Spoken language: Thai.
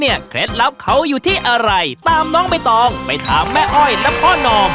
เคล็ดลับเขาอยู่ที่อะไรตามน้องใบตองไปถามแม่อ้อยและพ่อนอง